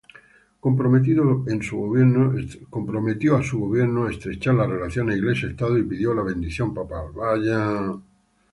Comprometió a su gobierno estrechar las relaciones Iglesia-Estado y pidió la bendición papal.